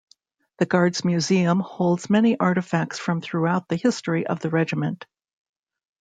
The Guards' museum holds many artifacts from throughout the history of the regiment.